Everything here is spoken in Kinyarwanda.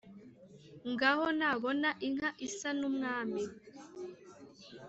ngaho nabona inka isa n’umwami